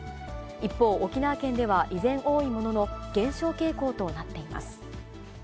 一方、沖縄県では依然多いものの、減少傾向となっています。